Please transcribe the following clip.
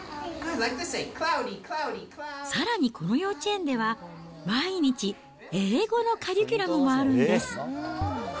さらにこの幼稚園では、毎日、英語のカリキュラムもあるんです。